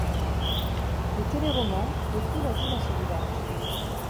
Le téléroman décrit la vie dans ce village.